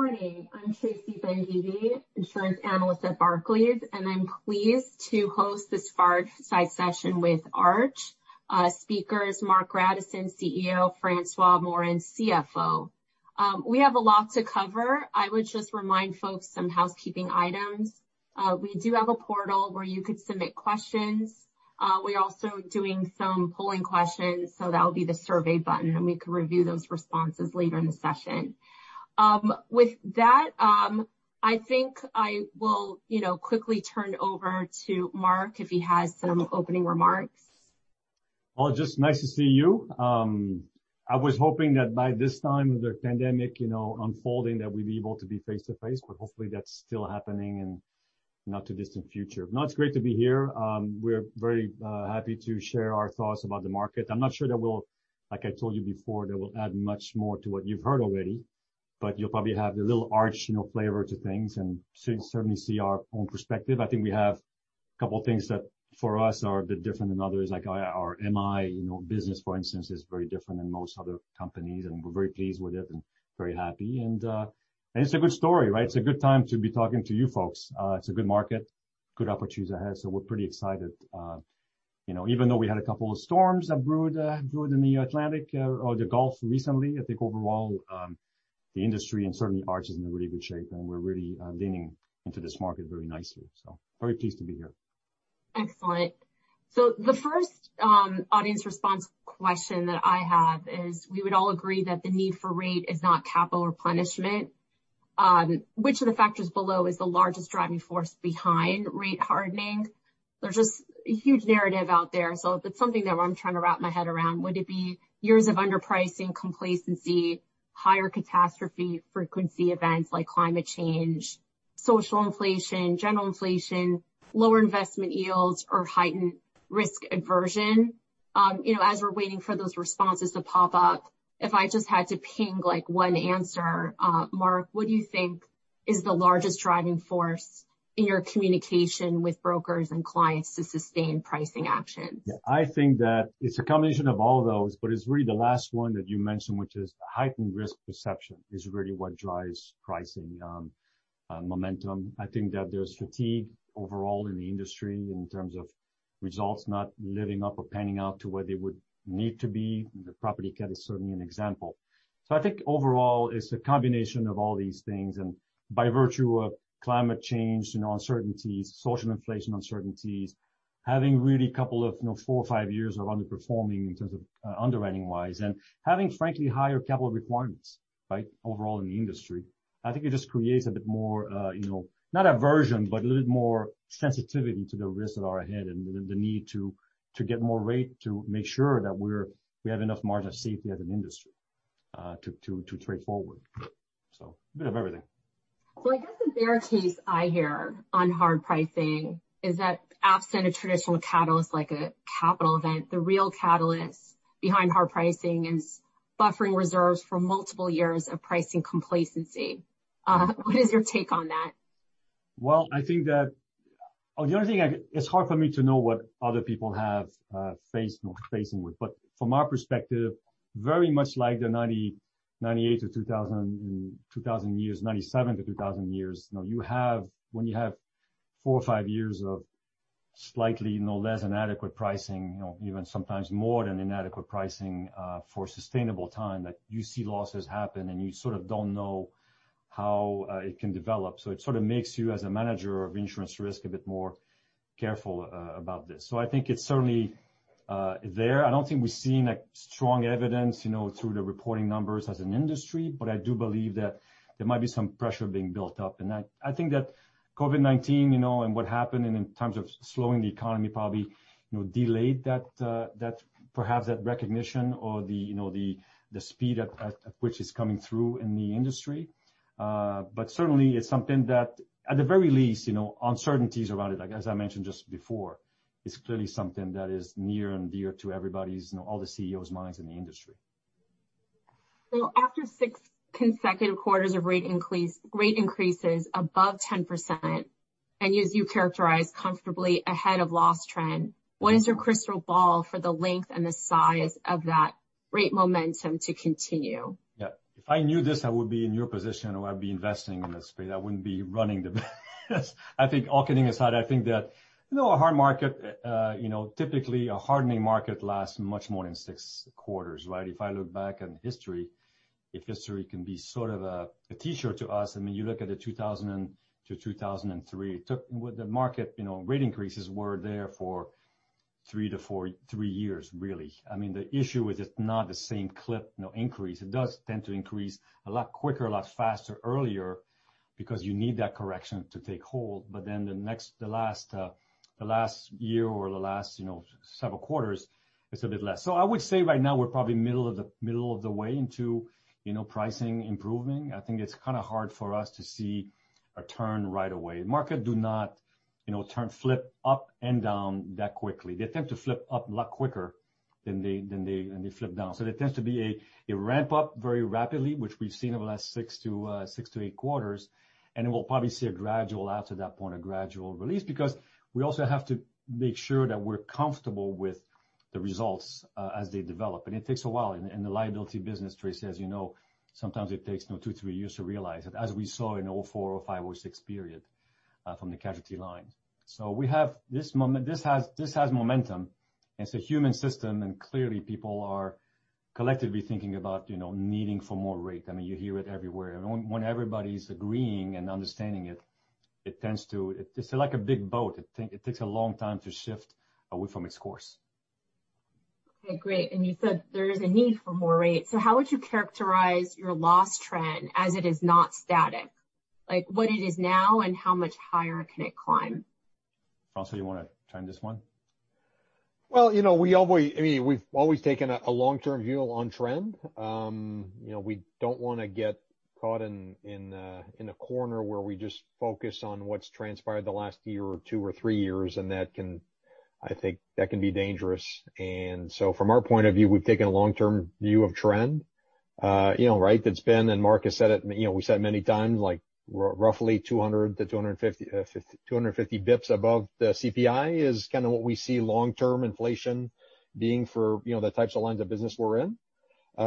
Morning. I'm Tracy Benguigui, insurance analyst at Barclays, and I'm pleased to host this fireside session with Arch. Our speaker is Marc Grandisson, CEO, François Morin, CFO. We have a lot to cover. I would just remind folks some housekeeping items. We do have a portal where you could submit questions. We're also doing some polling questions, that'll be the survey button, and we can review those responses later in the session. With that, I think I will quickly turn over to Marc if he has some opening remarks. Just nice to see you. I was hoping that by this time of the pandemic unfolding, that we'd be able to be face-to-face, hopefully that's still happening in not too distant future. It's great to be here. We're very happy to share our thoughts about the market. I'm not sure that we'll, like I told you before, that we'll add much more to what you've heard already, but you'll probably have the little Arch flavor to things and certainly see our own perspective. I think we have a couple of things that for us are a bit different than others, like our MI business, for instance, is very different than most other companies, and we're very pleased with it and very happy. It's a good story, right? It's a good time to be talking to you folks. It's a good market, good opportunities ahead, we're pretty excited. Even though we had a couple of storms that brewed in the Atlantic or the Gulf recently, I think overall, the industry and certainly Arch is in really good shape, and we're really leaning into this market very nicely. Very pleased to be here. Excellent. The first audience response question that I have is, we would all agree that the need for rate is not capital replenishment. Which of the factors below is the largest driving force behind rate hardening? There's just a huge narrative out there, so it's something that I'm trying to wrap my head around. Would it be years of underpricing complacency, higher catastrophe frequency events like climate change, social inflation, general inflation, lower investment yields, or heightened risk aversion? As we're waiting for those responses to pop up, if I just had to ping one answer, Marc, what do you think is the largest driving force in your communication with brokers and clients to sustain pricing actions? I think that it's a combination of all of those, but it's really the last one that you mentioned, which is heightened risk perception is really what drives pricing momentum. I think that there's fatigue overall in the industry in terms of results not living up or panning out to where they would need to be. The property cat is certainly an example. I think overall, it's a combination of all these things, and by virtue of climate change uncertainties, social inflation uncertainties, having really four or five years of underperforming in terms of underwriting-wise, and having, frankly, higher capital requirements, right, overall in the industry. I think it just creates a bit more, not aversion, but a little bit more sensitivity to the risks that are ahead and the need to get more rate to make sure that we have enough margin of safety as an industry to trade forward. A bit of everything. I guess the bear case I hear on hard pricing is that absent a traditional catalyst like a capital event, the real catalyst behind hard pricing is buffering reserves for multiple years of pricing complacency. What is your take on that? Well, I think that it's hard for me to know what other people have faced or are facing with. From our perspective, very much like the 1998 to 2000 years, 1997 to 2000 years, when you have four or five years of slightly less inadequate pricing, even sometimes more than inadequate pricing for sustainable time, that you see losses happen, and you sort of don't know how it can develop. It sort of makes you as a manager of insurance risk a bit more careful about this. I think it's certainly there. I don't think we've seen strong evidence through the reporting numbers as an industry, but I do believe that there might be some pressure being built up. I think that COVID-19, and what happened and in terms of slowing the economy, probably delayed perhaps that recognition or the speed at which it's coming through in the industry. Certainly, it's something that at the very least, uncertainties around it, like as I mentioned just before, is clearly something that is near and dear to everybody's, all the CEOs' minds in the industry. After six consecutive quarters of rate increases above 10%, and as you characterize comfortably ahead of loss trend, what is your crystal ball for the length and the size of that rate momentum to continue? If I knew this, I would be in your position, or I'd be investing in this space. I wouldn't be running the business. I think all kidding aside, I think that a hard market, typically a hardening market lasts much more than six quarters, right? If I look back on history, if history can be sort of a teacher to us. I mean, you look at the 2000 to 2003, the market rate increases were there for three to four, three years, really. I mean, the issue with it, not the same clip increase. It does tend to increase a lot quicker, a lot faster, earlier because you need that correction to take hold. The last year or the last several quarters, it's a bit less. I would say right now we're probably middle of the way into pricing improving. I think it's kind of hard for us to see a turn right away. Market do not flip up and down that quickly. They tend to flip up a lot quicker than they flip down. There tends to be a ramp up very rapidly, which we've seen over the last six to eight quarters, and then we'll probably see a gradual after that point, a gradual release, because we also have to make sure that we're comfortable with the results as they develop. It takes a while. In the liability business, Tracy, as you know, sometimes it takes two, three years to realize it, as we saw in 2004, 2005, 2006 period from the casualty lines. We have this moment. This has momentum. It's a human system, and clearly people are collectively thinking about needing for more rate. You hear it everywhere. When everybody's agreeing and understanding it's like a big boat. It takes a long time to shift away from its course. Okay, great. You said there is a need for more rate. How would you characterize your loss trend as it is not static? Like, what it is now and how much higher can it climb? François, you want to try this one? Well, we've always taken a long-term view on trend. We don't want to get caught in a corner where we just focus on what's transpired the last year or two or three years, and I think that can be dangerous. From our point of view, we've taken a long-term view of trend. That's been, Marc has said it, we've said many times, like roughly 200-250 basis points above the CPI is kind of what we see long-term inflation being for the types of lines of business we're in.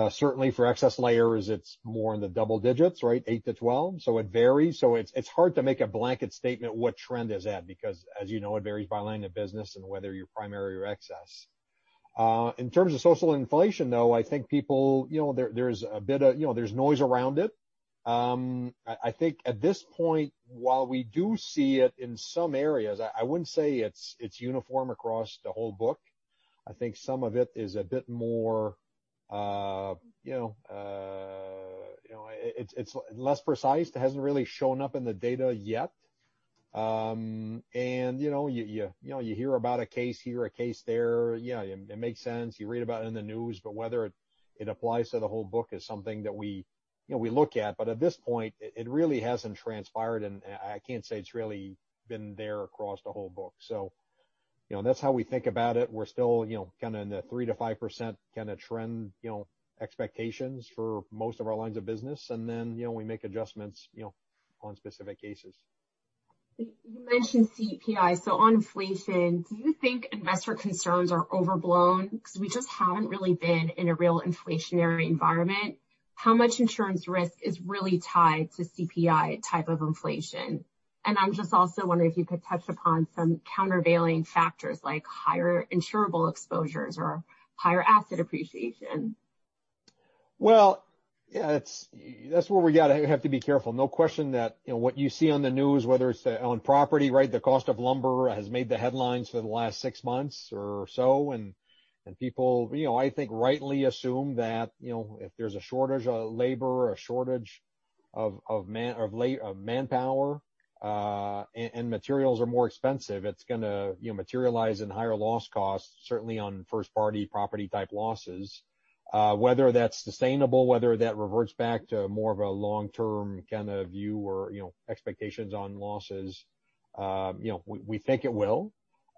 Certainly for excess layers, it's more in the double digits, right? 8 to 12. It varies. It's hard to make a blanket statement what trend is at, because as you know, it varies by line of business and whether you're primary or excess. In terms of social inflation, though, I think there's noise around it. I think at this point, while we do see it in some areas, I wouldn't say it's uniform across the whole book. I think some of it is a bit more, it's less precise. It hasn't really shown up in the data yet. You hear about a case here, a case there. Yeah, it makes sense. You read about it in the news, but whether it applies to the whole book is something that we look at. But at this point, it really hasn't transpired, and I can't say it's really been there across the whole book. That's how we think about it. We're still in the 3% to 5% kind of trend expectations for most of our lines of business. Then, we make adjustments on specific cases. You mentioned CPI. On inflation, do you think investor concerns are overblown because we just haven't really been in a real inflationary environment? How much insurance risk is really tied to CPI type of inflation? I'm just also wondering if you could touch upon some countervailing factors like higher insurable exposures or higher asset appreciation. Well, yeah. That's where we have to be careful. No question that what you see on the news, whether it's on property, right, the cost of lumber has made the headlines for the last six months or so, and people, I think rightly assume that if there's a shortage of labor or a shortage of manpower, and materials are more expensive, it's going to materialize in higher loss costs, certainly on first-party property type losses. Whether that's sustainable, whether that reverts back to more of a long-term kind of view or expectations on losses, we think it will.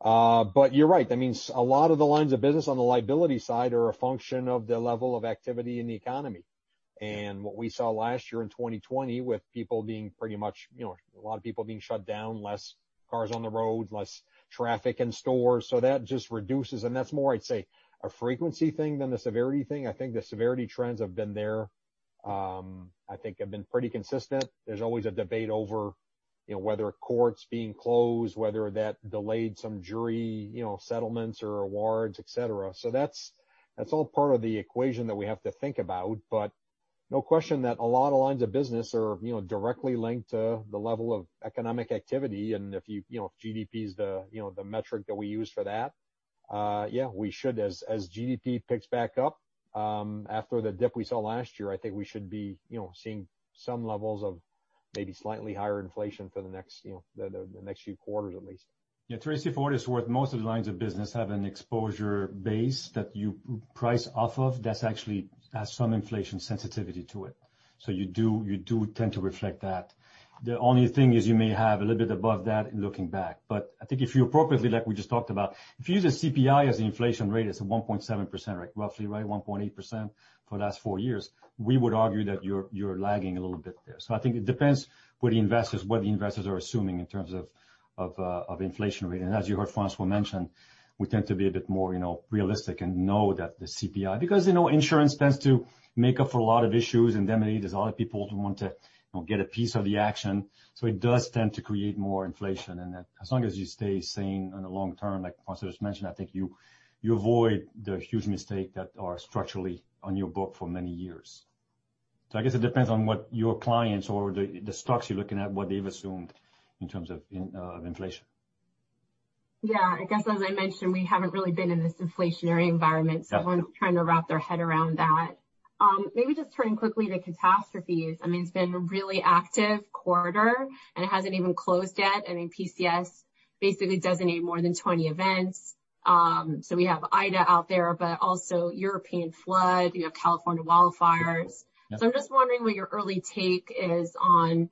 You're right. That means a lot of the lines of business on the liability side are a function of the level of activity in the economy. What we saw last year in 2020 with a lot of people being shut down, less cars on the road, less traffic in stores. That just reduces, and that's more, I'd say, a frequency thing than a severity thing. I think the severity trends have been there. I think have been pretty consistent. There's always a debate over whether courts being closed, whether that delayed some jury settlements or awards, et cetera. That's all part of the equation that we have to think about, but no question that a lot of lines of business are directly linked to the level of economic activity. If GDP is the metric that we use for that, yeah, we should, as GDP picks back up after the dip we saw last year, I think we should be seeing some levels of maybe slightly higher inflation for the next few quarters, at least. Tracy, for what it's worth, most of the lines of business have an exposure base that you price off of that actually has some inflation sensitivity to it. You do tend to reflect that. The only thing is you may have a little bit above that in looking back. I think if you appropriately, like we just talked about, if you use the CPI as the inflation rate, it's a 1.7%, roughly, right? 1.8% for the last four years. We would argue that you're lagging a little bit there. I think it depends what the investors are assuming in terms of inflation rate. As you heard François mention, we tend to be a bit more realistic and know that the CPI, because insurance tends to make up for a lot of issues, indemnitors, all the people who want to get a piece of the action. It does tend to create more inflation, and as long as you stay sane in the long term, like François just mentioned, I think you avoid the huge mistake that are structurally on your book for many years. I guess it depends on what your clients or the stocks you're looking at, what they've assumed in terms of inflation. I guess, as I mentioned, we haven't really been in this inflationary environment. Yeah Everyone's trying to wrap their head around that. Maybe just turning quickly to catastrophes. It's been a really active quarter, and it hasn't even closed yet. PCS basically designate more than 20 events. We have Ida out there, but also European flood, you have California wildfires. Yeah. I'm just wondering what your early take is on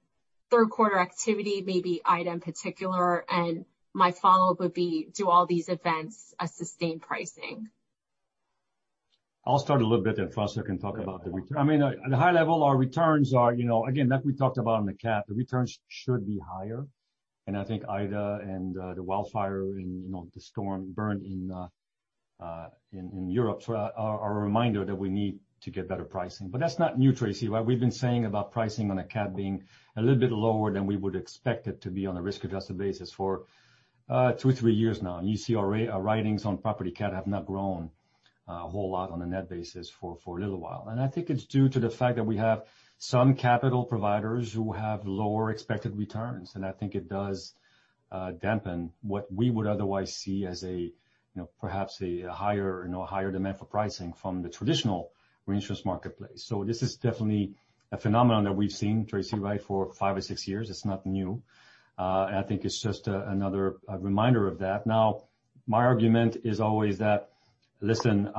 third quarter activity, maybe Hurricane Ida in particular, and my follow-up would be, do all these events sustain pricing? I'll start a little bit, François can talk about the return. At a high level, our returns are, again, like we talked about on the cat, the returns should be higher. I think Hurricane Ida and the wildfire and the storm Bernd in Europe are a reminder that we need to get better pricing. That's not new, Tracy. We've been saying about pricing on a cat being a little bit lower than we would expect it to be on a risk-adjusted basis for two, three years now. You see our writings on property cat have not grown a whole lot on a net basis for a little while. I think it's due to the fact that we have some capital providers who have lower expected returns. I think it does dampen what we would otherwise see as perhaps a higher demand for pricing from the traditional reinsurance marketplace. This is definitely a phenomenon that we've seen, Tracy, for five or six years. It's not new. I think it's just another reminder of that. Now, my argument is always that, listen,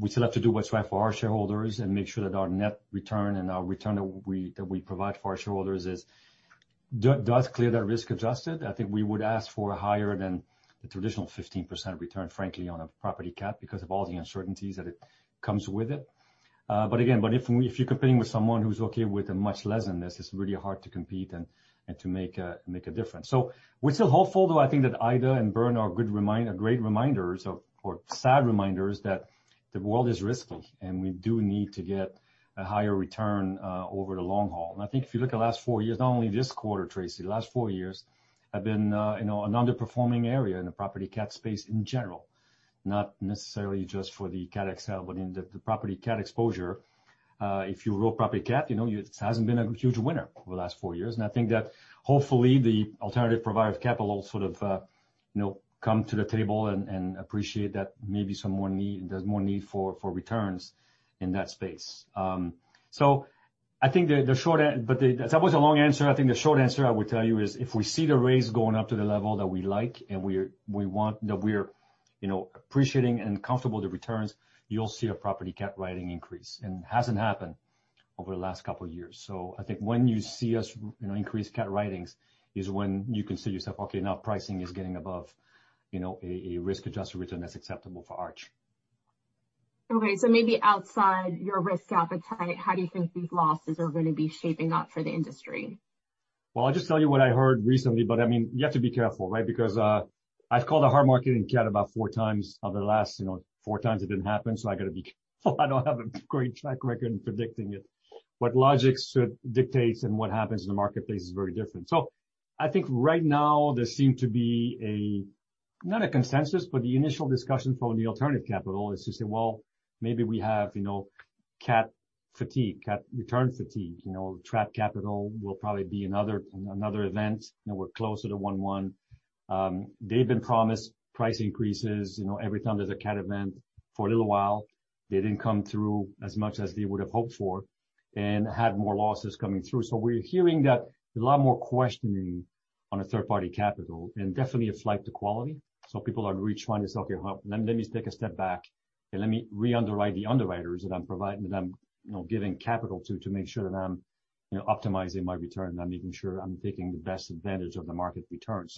we still have to do what's right for our shareholders and make sure that our net return and our return that we provide for our shareholders is thus clear that risk-adjusted. I think we would ask for higher than the traditional 15% return, frankly, on a property cat because of all the uncertainties that it comes with it. Again, if you're competing with someone who's okay with a much less than this, it's really hard to compete and to make a difference. We're still hopeful, though I think that Hurricane Ida and Bernd are great reminders or sad reminders that the world is risky, and we do need to get a higher return over the long haul. I think if you look at the last four years, not only this quarter, Tracy, the last four years have been an underperforming area in the property cat space in general, not necessarily just for the Cat XL, but in the property cat exposure. If you roll property cat, it hasn't been a huge winner over the last four years. I think that hopefully the alternative provider of capital will sort of come to the table and appreciate that maybe there's more need for returns in that space. That was a long answer. I think the short answer I would tell you is if we see the rates going up to the level that we like and we're appreciating and comfortable with the returns, you'll see a property cat writing increase. It hasn't happened over the last couple of years. I think when you see us increase cat writings is when you can say to yourself, "Okay, now pricing is getting above a risk-adjusted return that's acceptable for Arch. Maybe outside your risk appetite, how do you think these losses are going to be shaping up for the industry? I'll just tell you what I heard recently, but you have to be careful. I've called a hard market in cat about four times. Of the last four times, it didn't happen. I've got to be careful. I don't have a great track record in predicting it. What logic dictates and what happens in the marketplace is very different. I think right now there seem to be a, not a consensus, but the initial discussion from the alternative capital is to say, well, maybe we have cat fatigue, cat return fatigue. Trap capital will probably be another event, and we're closer to 1/1. They've been promised price increases every time there's a cat event for a little while. They didn't come through as much as they would have hoped for and had more losses coming through. We're hearing that a lot more questioning on a third-party capital and definitely a flight to quality. People are really trying to say, "Okay, let me take a step back and let me re-underwrite the underwriters that I'm giving capital to make sure that I'm optimizing my return. I'm making sure I'm taking the best advantage of the market return."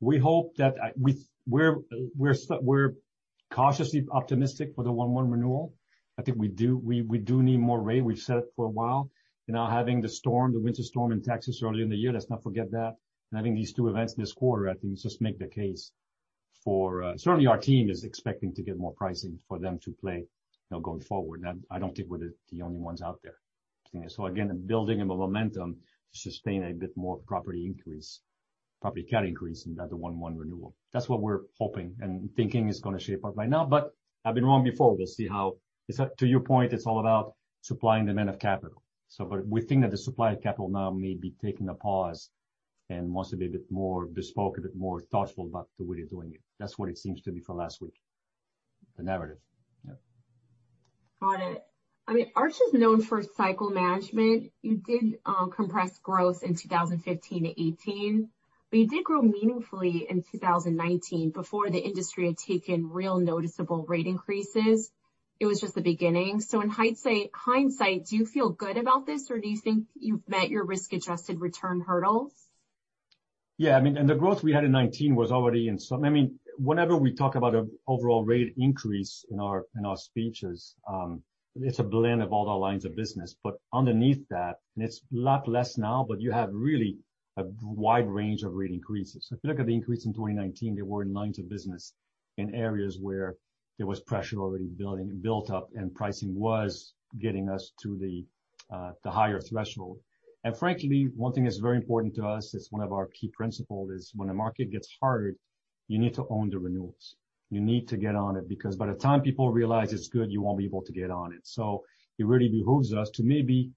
We're cautiously optimistic for the 1/1 renewal. I think we do need more rate. We've said it for a while. Now, having the winter storm in Texas earlier in the year, let's not forget that. I think these two events this quarter, I think, just make the case for Certainly, our team is expecting to get more pricing for them to play going forward. I don't think we're the only ones out there. Again, building up a momentum to sustain a bit more of a property cat increase in that 1/1 renewal. That's what we're hoping and thinking is going to shape up by now. I've been wrong before. We'll see how. To your point, it's all about supplying demand of capital. We think that the supply of capital now may be taking a pause and wants to be a bit more bespoke, a bit more thoughtful about the way they're doing it. That's what it seems to be for last week, the narrative. Yeah. Got it. Arch is known for cycle management. You did compress growth in 2015 to 2018, you did grow meaningfully in 2019 before the industry had taken real noticeable rate increases. It was just the beginning. In hindsight, do you feel good about this, or do you think you've met your risk-adjusted return hurdles? Yeah. The growth we had in 2019 was already. Whenever we talk about an overall rate increase in our speeches, it's a blend of all our lines of business. Underneath that, and it's a lot less now, but you have really a wide range of rate increases. If you look at the increase in 2019, there were lines of business in areas where there was pressure already built up and pricing was getting us to the higher threshold. Frankly, one thing that's very important to us, it's one of our key principles, is when the market gets hard, you need to own the renewals. You need to get on it, because by the time people realize it's good, you won't be able to get on it. It really behooves us to maybe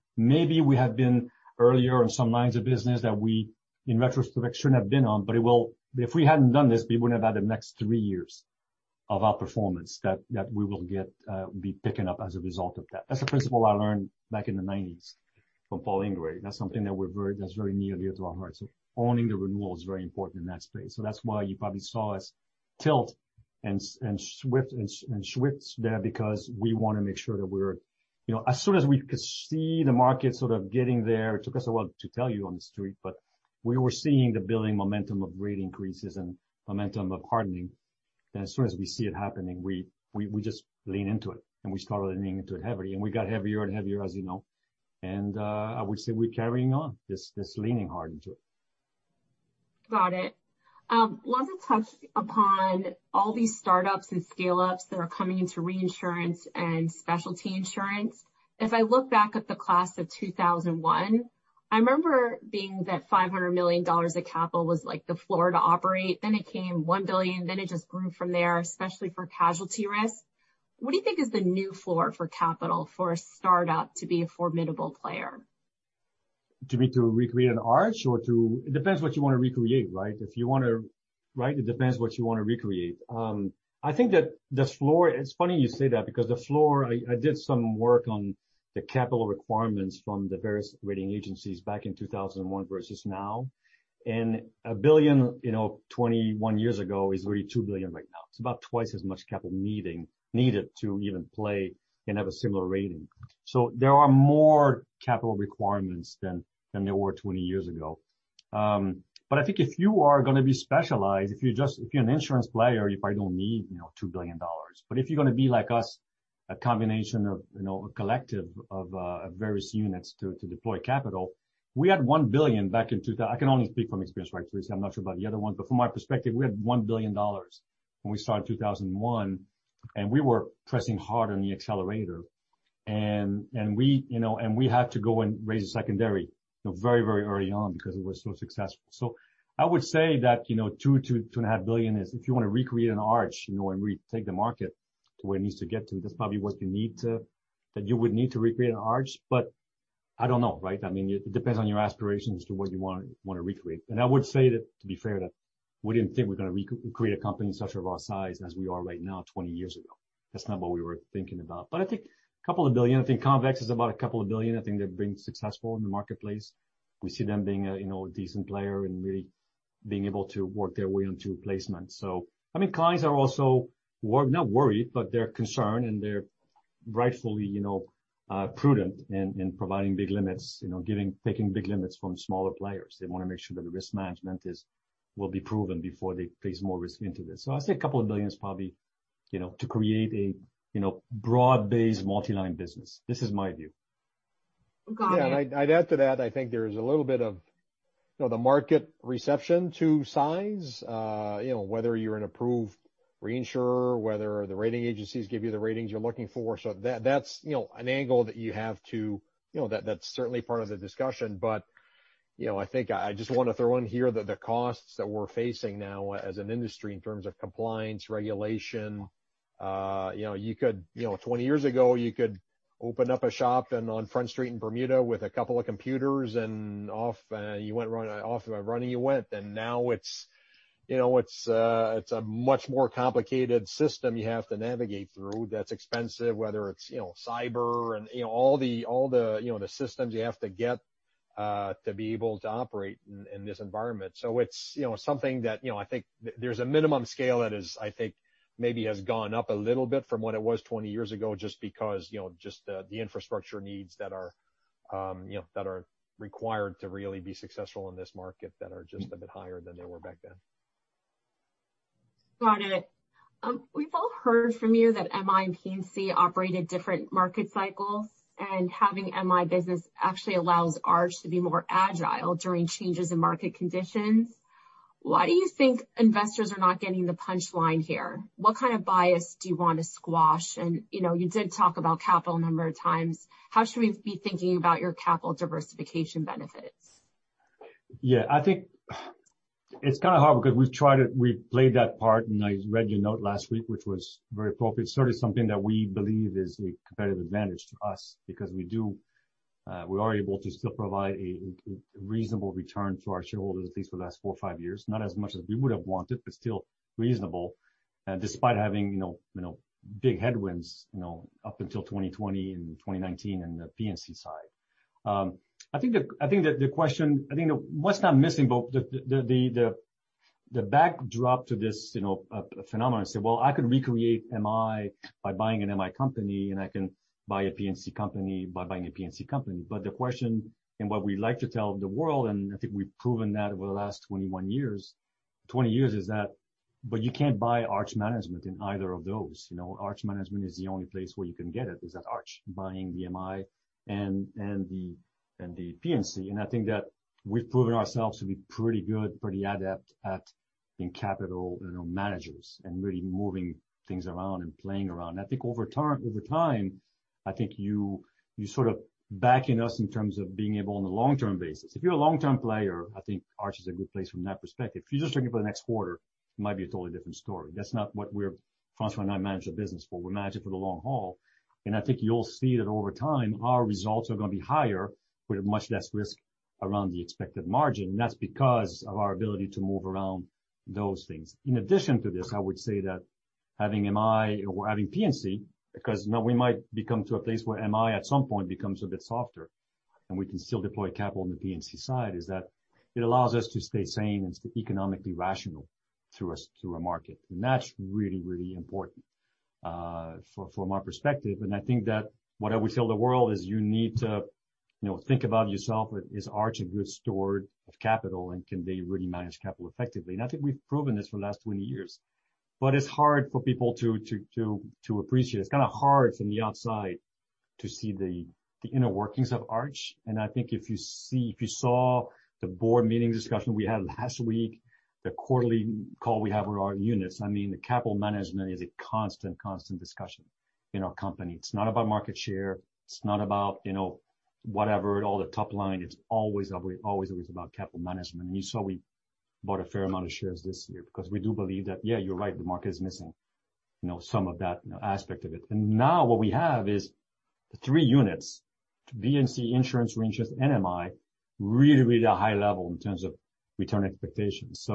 we have been earlier in some lines of business that we, in retrospect, shouldn't have been on, but if we hadn't done this, we wouldn't have had the next three years of outperformance that we will be picking up as a result of that. That's a principle I learned back in the 1990s from Paul Ingrey. That's something that's very near and dear to our hearts. Owning the renewal is very important in that space. That's why you probably saw us tilt and shift there because we want to make sure that. As soon as we could see the market sort of getting there, it took us a while to tell you on the street, but we were seeing the building momentum of rate increases and momentum of hardening. We see it happening, we just lean into it, we started leaning into it heavily, we got heavier and heavier, as you know. I would say we're carrying on this leaning hard into it. Got it. I wanted to touch upon all these startups and scale-ups that are coming into reinsurance and specialty insurance. If I look back at the class of 2001, I remember being that $500 million of capital was like the floor to operate. It came $1 billion, it just grew from there, especially for casualty risk. What do you think is the new floor for capital for a startup to be a formidable player? Do you mean to recreate an Arch? It depends what you want to recreate, right? It depends what you want to recreate. I think that the floor, it's funny you say that because the floor, I did some work on the capital requirements from the various rating agencies back in 2001 versus now. A billion, 21 years ago is really $2 billion right now. It's about twice as much capital needed to even play and have a similar rating. There are more capital requirements than there were 20 years ago. I think if you are going to be specialized, if you're an insurance player, you probably don't need $2 billion. If you're going to be like us, a combination of a collective of various units to deploy capital, we had $1 billion back in I can only speak from experience, right, Tracy? I'm not sure about the other ones. From my perspective, we had $1 billion when we started in 2001, we were pressing hard on the accelerator. We had to go and raise a secondary very early on because it was so successful. I would say that $2 billion-$2.5 billion is, if you want to recreate an Arch, retake the market to where it needs to get to, that's probably what you would need to recreate an Arch. I don't know. It depends on your aspirations to what you want to recreate. I would say that, to be fair, that we didn't think we were going to recreate a company in such of our size as we are right now 20 years ago. That's not what we were thinking about. I think a couple of billion, I think Convex is about a couple of billion. I think they've been successful in the marketplace. We see them being a decent player and really being able to work their way into placements. Clients are also, not worried, but they're concerned, and they're rightfully prudent in providing big limits, taking big limits from smaller players. They want to make sure that the risk management will be proven before they place more risk into this. I'd say a couple of billion is probably to create a broad-based multi-line business. This is my view. Got it. I'd add to that, I think there's a little bit of the market reception to size, whether you're an approved reinsurer, whether the rating agencies give you the ratings you're looking for. That's an angle that's certainly part of the discussion. I think I just want to throw in here that the costs that we're facing now as an industry in terms of compliance, regulation. 20 years ago, you could open up a shop on Front Street in Bermuda with a couple of computers, and off and running you went. Now it's a much more complicated system you have to navigate through that's expensive, whether it's cyber and all the systems you have to get to be able to operate in this environment. It's something that I think there's a minimum scale that is, I think, maybe has gone up a little bit from what it was 20 years ago, just because the infrastructure needs that are required to really be successful in this market that are just a bit higher than they were back then. Got it. We've all heard from you that MI and P&C operate at different market cycles, and having MI business actually allows Arch to be more agile during changes in market conditions. Why do you think investors are not getting the punchline here? What kind of bias do you want to squash? You did talk about capital a number of times. How should we be thinking about your capital diversification benefits? I think it's kind of hard because we've played that part, and I read your note last week, which was very appropriate. It's sort of something that we believe is a competitive advantage to us because we are able to still provide a reasonable return to our shareholders, at least for the last four or five years, not as much as we would have wanted, but still reasonable. Despite having big headwinds up until 2020 and 2019 in the P&C side. I think that what's now missing, both the backdrop to this phenomenon, say, well, I could recreate MI by buying an MI company, and I can buy a P&C company by buying a P&C company. The question and what we like to tell the world, and I think we've proven that over the last 20 years, is that, you can't buy Arch Management in either of those. Arch Management is the only place where you can get it, is at Arch, buying the MI and the P&C. I think that we've proven ourselves to be pretty good, pretty adept at being capital managers and really moving things around and playing around. I think over time, I think you sort of back in us in terms of being able on a long-term basis. If you're a long-term player, I think Arch is a good place from that perspective. If you're just looking for the next quarter, it might be a totally different story. That's not what François and I manage the business for. We manage it for the long haul. I think you'll see that over time, our results are going to be higher with much less risk around the expected margin. That's because of our ability to move around those things. In addition to this, I would say that having MI or having P&C, because now we might come to a place where MI at some point becomes a bit softer. We can still deploy capital on the P&C side is that it allows us to stay sane and stay economically rational through a market. That's really, really important from our perspective. I think that what I would tell the world is you need to think about yourself, is Arch a good steward of capital, and can they really manage capital effectively? I think we've proven this for the last 20 years. It's hard for people to appreciate. It's kind of hard from the outside to see the inner workings of Arch. I think if you saw the board meeting discussion we had last week, the quarterly call we have with our units, the capital management is a constant discussion in our company. It's not about market share. It's not about whatever, all the top line. It's always about capital management. You saw we bought a fair amount of shares this year because we do believe that, yeah, you're right, the market is missing some of that aspect of it. Now what we have is the three units, P&C insurance, reinsurance, MI, really at a high level in terms of return expectations.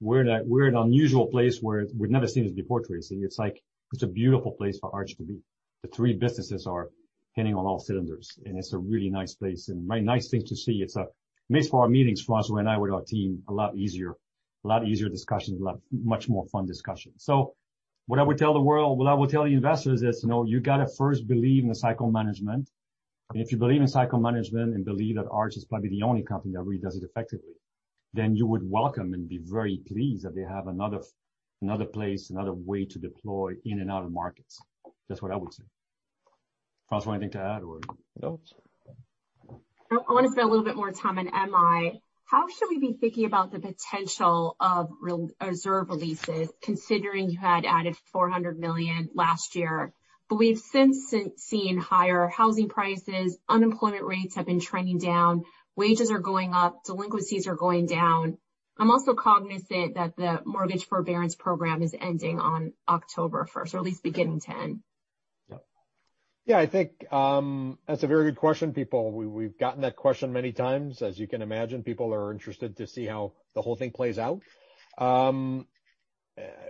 We're in an unusual place where we've never seen this before, Tracy. It's a beautiful place for Arch to be. The three businesses are hitting on all cylinders, and it's a really nice place and very nice thing to see. It makes for our meetings, François and I, with our team, a lot easier. A lot easier discussions, much more fun discussions. What I would tell the world, what I would tell the investors is, you got to first believe in the cycle management. If you believe in cycle management and believe that Arch is probably the only company that really does it effectively, then you would welcome and be very pleased that they have another place, another way to deploy in and out of markets. That's what I would say. François, anything to add or? No. I want to spend a little bit more time on MI. How should we be thinking about the potential of reserve releases, considering you had added $400 million last year? We've since seen higher housing prices. Unemployment rates have been trending down. Wages are going up. Delinquencies are going down. I'm also cognizant that the mortgage forbearance program is ending on October 1st, or at least beginning to end. Yeah. I think that's a very good question, people. We've gotten that question many times. As you can imagine, people are interested to see how the whole thing plays out.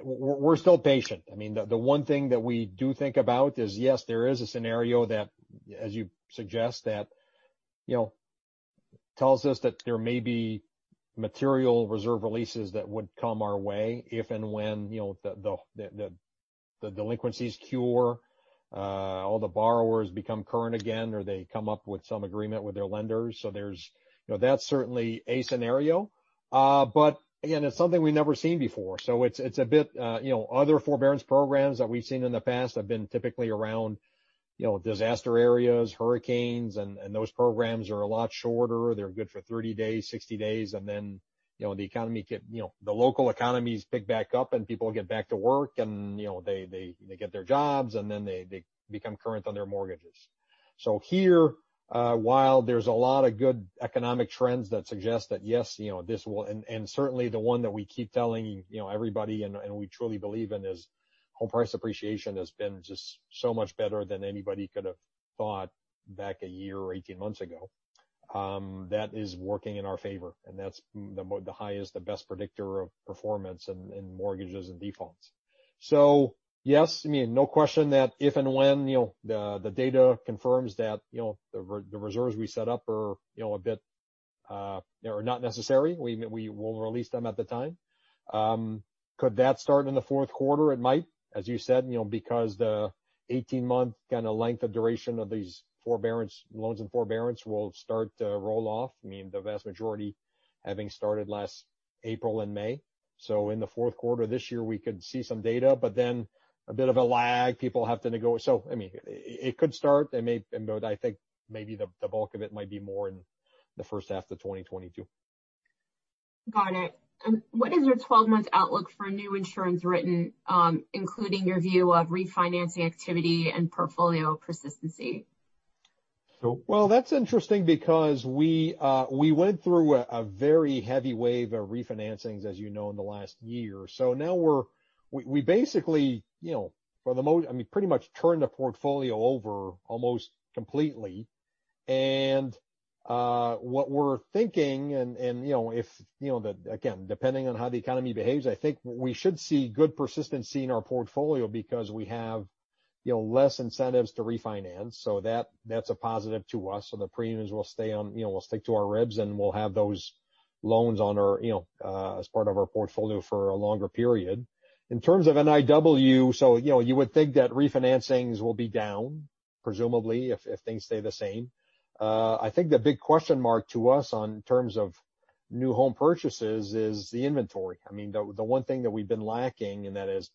We're still patient. The one thing that we do think about is, yes, there is a scenario that, as you suggest, that tells us that there may be material reserve releases that would come our way if and when the delinquencies cure, all the borrowers become current again, or they come up with some agreement with their lenders. That's certainly a scenario. Again, it's something we've never seen before. Other forbearance programs that we've seen in the past have been typically around disaster areas, hurricanes, and those programs are a lot shorter. They're good for 30 days, 60 days, and then the local economies pick back up, and people get back to work and they get their jobs, and then they become current on their mortgages. Here, while there's a lot of good economic trends that suggest that, yes, this will. Certainly the one that we keep telling everybody and we truly believe in is home price appreciation has been just so much better than anybody could have thought back a year or 18 months ago. That is working in our favor, and that's the highest and best predictor of performance in mortgages and defaults. Yes, no question that if and when the data confirms that the reserves we set up are not necessary, we will release them at the time. Could that start in the fourth quarter? It might. As you said, because the 18-month kind of length of duration of these loans and forbearance will start to roll off, the vast majority having started last April and May. In the fourth quarter this year, we could see some data, but then a bit of a lag. People have to negotiate. It could start. I think maybe the bulk of it might be more in the first half of 2022. Got it. What is your 12-month outlook for new insurance written, including your view of refinancing activity and portfolio persistency? That's interesting because we went through a very heavy wave of refinancings, as you know, in the last year. Now we basically pretty much turned the portfolio over almost completely. What we're thinking, and again, depending on how the economy behaves, I think we should see good persistency in our portfolio because we have less incentives to refinance. That's a positive to us. The premiums will stick to our ribs, and we'll have those loans as part of our portfolio for a longer period. In terms of NIW, you would think that refinancings will be down, presumably, if things stay the same. I think the big question mark to us on terms of new home purchases is the inventory. The one thing that we've been lacking, and that is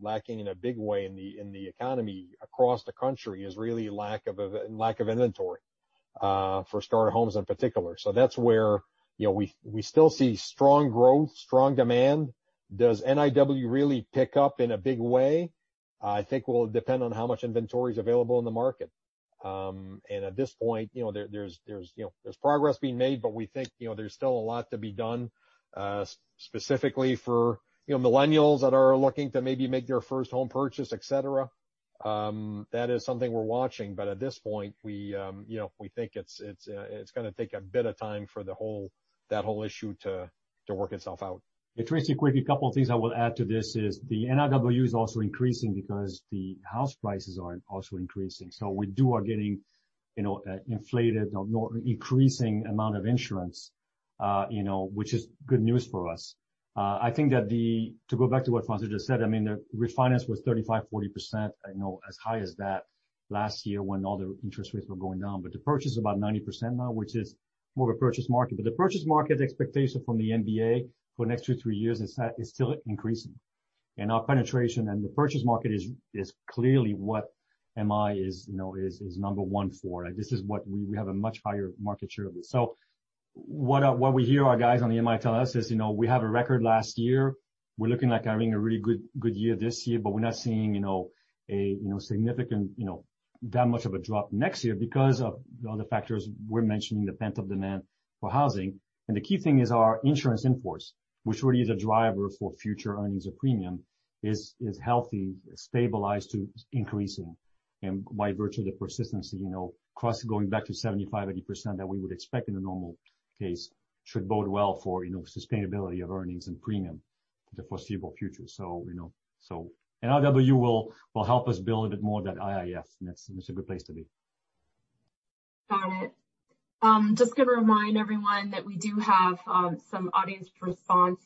lacking in a big way in the economy across the country, is really lack of inventory for starter homes in particular. That's where we still see strong growth, strong demand. Does NIW really pick up in a big way? I think it will depend on how much inventory is available in the market. At this point, there's progress being made, but we think there's still a lot to be done specifically for millennials that are looking to maybe make their first home purchase, et cetera. That is something we're watching. At this point, we think it's going to take a bit of time for that whole issue to work itself out. Yeah, Tracy, quickly, a couple of things I will add to this is the NIW is also increasing because the house prices are also increasing. We are getting inflated or increasing amount of insurance, which is good news for us. I think that to go back to what François just said, the refinance was 35%-40%, I know as high as that last year when all the interest rates were going down. The purchase is about 90% now, which is more of a purchase market. The purchase market expectation from the MBA for the next two, three years is still increasing. Our penetration in the purchase market is clearly what MI is number one for. This is what we have a much higher market share of it. What we hear our guys on the MI tell us is, we have a record last year. We're looking like having a really good year this year, but we're not seeing that much of a drop next year because of the other factors we're mentioning, the pent-up demand for housing. The key thing is our insurance in-force, which really is a driver for future earnings or premium, is healthy, stabilized to increasing. By virtue of the persistence, costs going back to 75%-80% that we would expect in a normal case should bode well for sustainability of earnings and premium for the foreseeable future. NIW will help us build a bit more of that IIF, and that's a good place to be. Got it. Just going to remind everyone that we do have some audience response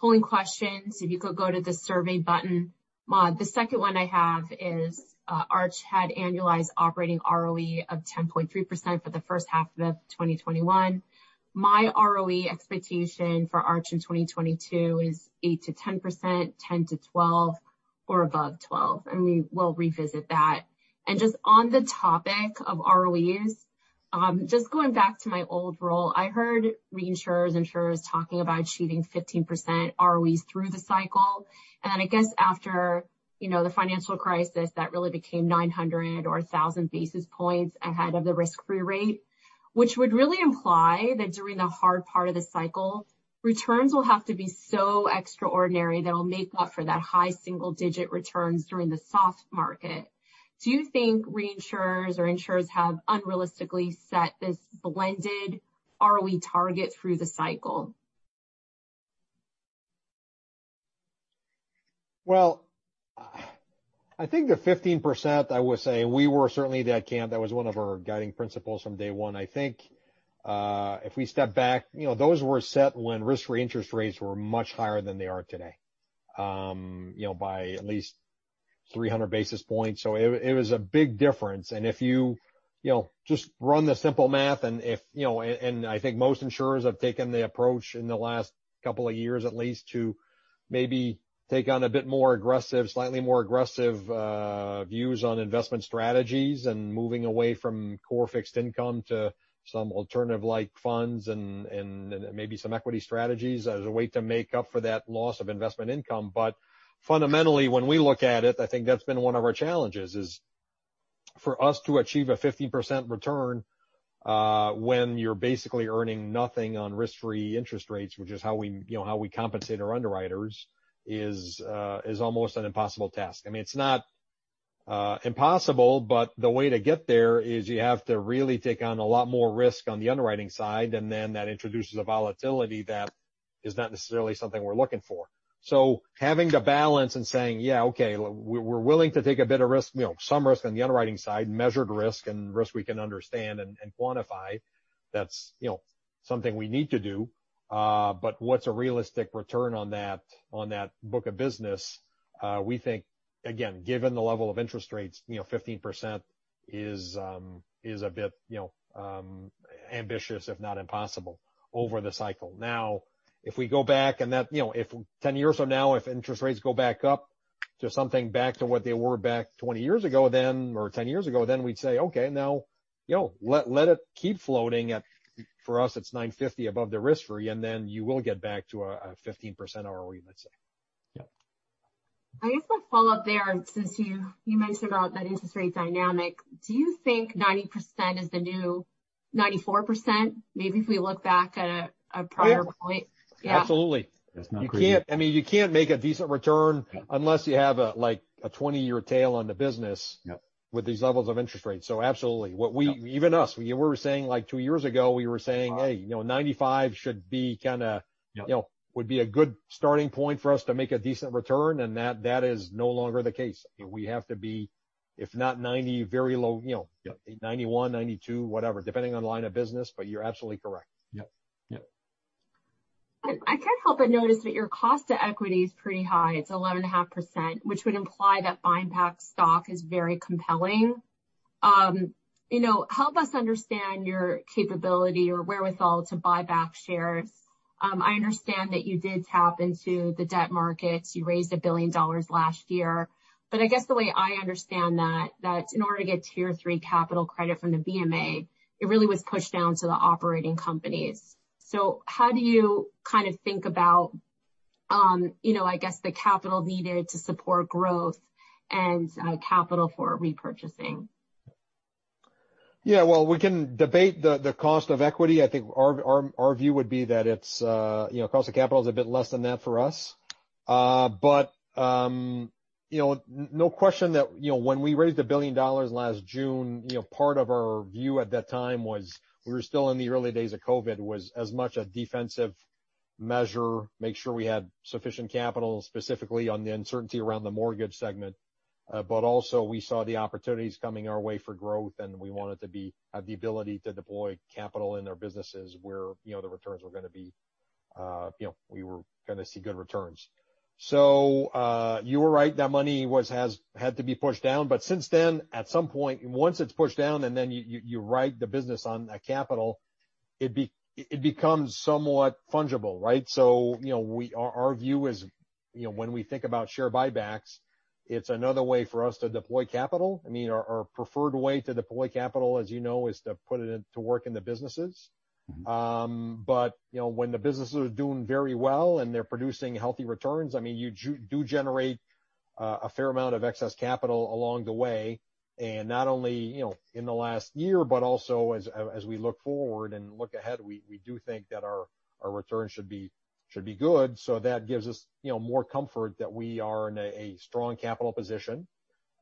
polling questions. If you could go to the survey button. The second one I have is, Arch had annualized operating ROE of 10.3% for the first half of 2021. My ROE expectation for Arch in 2022 is 8%-10%, 10%-12%, or above 12%. We will revisit that. Just on the topic of ROEs, just going back to my old role, I heard reinsurers, insurers talking about achieving 15% ROEs through the cycle. I guess after the financial crisis, that really became 900 or 1,000 basis points ahead of the risk-free rate, which would really imply that during the hard part of the cycle, returns will have to be so extraordinary that'll make up for that high single-digit returns during the soft market. Do you think reinsurers or insurers have unrealistically set this blended ROE target through the cycle? Well, I think the 15%, I would say we were certainly that camp. That was one of our guiding principles from day one. I think, if we step back, those were set when risk-free interest rates were much higher than they are today, by at least 300 basis points. It was a big difference. If you just run the simple math and I think most insurers have taken the approach in the last couple of years, at least to maybe take on a bit more aggressive, slightly more aggressive views on investment strategies and moving away from core fixed income to some alternative like funds and maybe some equity strategies as a way to make up for that loss of investment income. Fundamentally, when we look at it, I think that's been one of our challenges is for us to achieve a 15% return, when you're basically earning nothing on risk-free interest rates, which is how we compensate our underwriters, is almost an impossible task. I mean, it's not impossible, the way to get there is you have to really take on a lot more risk on the underwriting side, that introduces a volatility that is not necessarily something we're looking for. Having to balance and saying, "Yeah, okay. We're willing to take a bit of risk," some risk on the underwriting side, measured risk, and risk we can understand and quantify. That's something we need to do. What's a realistic return on that book of business? We think, again, given the level of interest rates, 15% is a bit ambitious, if not impossible over the cycle. If we go back and if 10 years from now, if interest rates go back up to something back to what they were back 20 years ago, or 10 years ago, we'd say, "Okay, now let it keep floating at, for us, it's 950 above the risk-free, you will get back to a 15% ROE," let's say. Yep. I guess I'll follow up there since you mentioned about that interest rate dynamic. Do you think 90% is the new 94%? Maybe if we look back at a prior point. Yeah. Yeah. Absolutely. That's not crazy. You can't make a decent return unless you have a 20-year tail on the business- Yep with these levels of interest rates. Absolutely. Even us, we were saying like two years ago, we were saying. Wow Hey, 95 should be a good starting point for us to make a decent return." That is no longer the case. We have to be, if not 90, very low, 91, 92, whatever, depending on line of business. You're absolutely correct. Yep. Yep. I can't help but notice that your cost to equity is pretty high. It's 11.5%, which would imply that buyback stock is very compelling. Help us understand your capability or wherewithal to buy back shares. I understand that you did tap into the debt markets. You raised $1 billion last year. I guess the way I understand that in order to get Tier 3 capital credit from the BMA, it really was pushed down to the operating companies. How do you think about, I guess the capital needed to support growth and capital for repurchasing? Yeah. Well, we can debate the cost of equity. I think our view would be that cost of capital is a bit less than that for us. No question that when we raised $1 billion last June, part of our view at that time was we were still in the early days of COVID, was as much a defensive measure, make sure we had sufficient capital, specifically on the uncertainty around the mortgage segment. Also, we saw the opportunities coming our way for growth, and we wanted to have the ability to deploy capital in our businesses where the returns were going to be, we were going to see good returns. You were right, that money had to be pushed down. Since then, at some point, once it's pushed down and then you ride the business on that capital, it becomes somewhat fungible, right? Our view is when we think about share buybacks, it's another way for us to deploy capital. Our preferred way to deploy capital, as you know, is to put it to work in the businesses. When the business is doing very well and they're producing healthy returns, you do generate a fair amount of excess capital along the way. Not only in the last year, but also as we look forward and look ahead, we do think that our returns should be good. That gives us more comfort that we are in a strong capital position.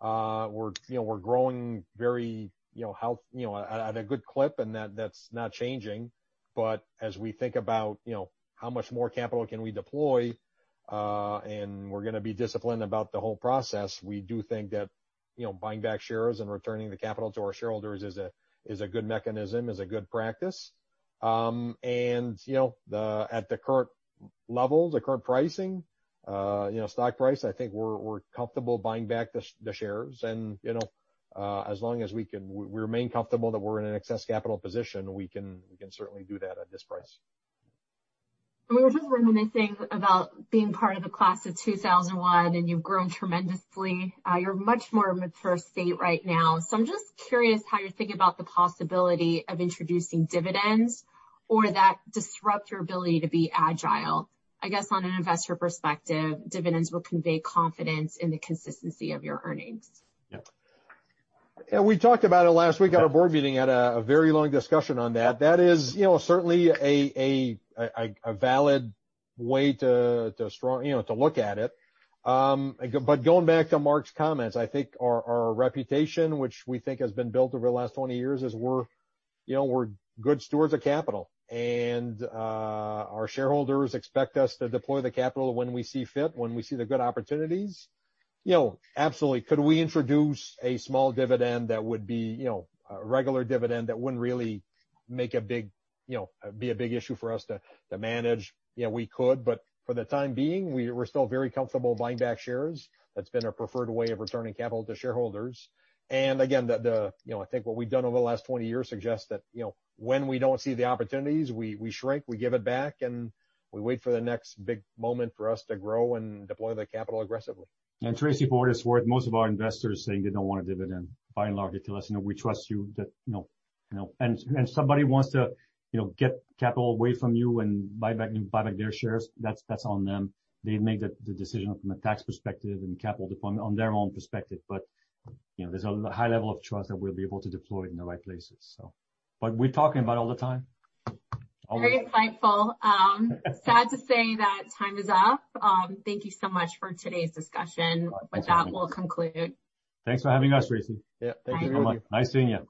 We're growing at a good clip, and that's not changing. As we think about how much more capital can we deploy, and we're going to be disciplined about the whole process, we do think that buying back shares and returning the capital to our shareholders is a good mechanism, is a good practice. At the current levels, the current pricing, stock price, I think we're comfortable buying back the shares. As long as we remain comfortable that we're in an excess capital position, we can certainly do that at this price. We were just reminiscing about being part of the class of 2001, you've grown tremendously. You're much more in a mature state right now. I'm just curious how you think about the possibility of introducing dividends or that disrupt your ability to be agile. I guess on an investor perspective, dividends will convey confidence in the consistency of your earnings. Yeah. We talked about it last week at our board meeting, had a very long discussion on that. That is certainly a valid way to look at it. Going back to Marc's comments, I think our reputation, which we think has been built over the last 20 years, is we're good stewards of capital. Our shareholders expect us to deploy the capital when we see fit, when we see the good opportunities. Absolutely, could we introduce a small dividend that would be a regular dividend that wouldn't really be a big issue for us to manage? Yeah, we could, but for the time being, we're still very comfortable buying back shares. That's been our preferred way of returning capital to shareholders. Again, I think what we've done over the last 20 years suggests that when we don't see the opportunities, we shrink, we give it back, and we wait for the next big moment for us to grow and deploy the capital aggressively. Tracy, for what it's worth, most of our investors saying they don't want a dividend. By and large, they tell us, "We trust you." If somebody wants to get capital away from you and buy back their shares, that's on them. They make the decision from a tax perspective and capital deployment on their own perspective, there's a high level of trust that we'll be able to deploy it in the right places. We talk about it all the time. Very insightful. Sad to say that time is up. Thank you so much for today's discussion. My pleasure. With that, we'll conclude. Thanks for having us, Tracy. Yeah, thank you so much. Nice seeing you.